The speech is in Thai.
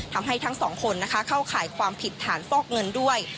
ทั้งสองคนเข้าข่ายความผิดฐานฟอกเงินด้วย